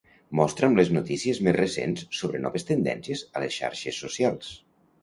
Mostra'm les notícies més recents sobre noves tendències a les xarxes socials.